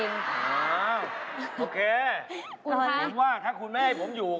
คุณภาพมีความว่าถ้าคุณไม่ให้ผมอยู่